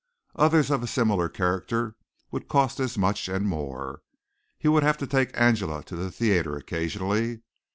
Others of a similar character would cost as much and more. He would have to take Angela to the theatre occasionally.